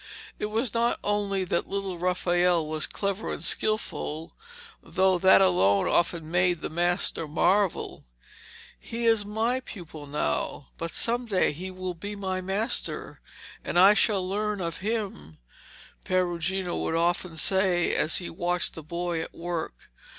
It was not only that little Raphael was clever and skilful, though that alone often made the master marvel. 'He is my pupil now, but some day he will be my master, and I shall learn of him,' Perugino would often say as he watched the boy at work.